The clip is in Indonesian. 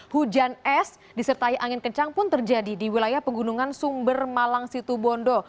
hujan es disertai angin kencang pun terjadi di wilayah pegunungan sumber malang situbondo